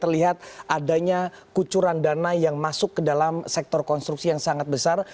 terlihat adanya kucuran dana yang masuk ke dalam sektor konstruksi yang sangat besar